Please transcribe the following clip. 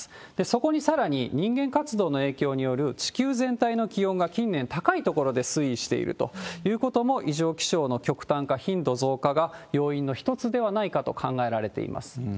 そこにさらに、人間活動の影響による地球全体の気温が近年高いところで推移しているということも、異常気象の極端化、頻度増加が要因の一つではないかと考えられています。